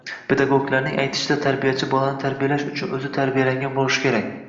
Pedagoglarning aytishicha: “Tarbiyachi bolani tarbiyalash uchun o‘zi tarbiyalangan bo‘lishi kerak’’